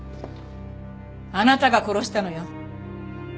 あなたが殺したのよ。